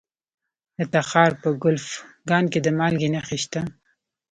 د تخار په کلفګان کې د مالګې نښې شته.